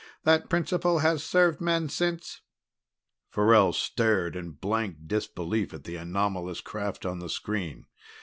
That principle has served men since." Farrell stared in blank disbelief at the anomalous craft on the screen.